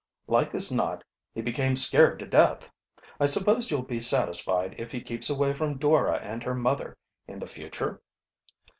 "Like as not he became scared to death. I suppose you'll be satisfied if he keeps away from Dora and her mother in the future?"